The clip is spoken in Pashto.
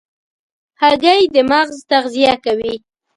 هګۍ د مغز تغذیه کوي.